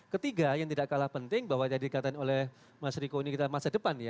ketiga yang tidak kalah penting bahwa tadi dikatakan oleh mas riko ini kita masa depan ya